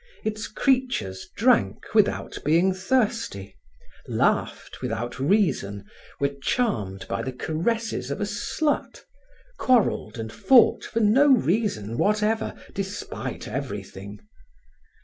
Its creatures drank without being thirsty, laughed without reason, were charmed by the caresses of a slut, quarrelled and fought for no reason whatever, despite everything.